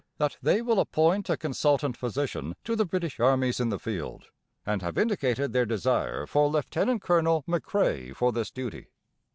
that they will appoint a Consultant Physician to the British Armies in the Field, and have indicated their desire for Lieut. Colonel McCrae for this duty.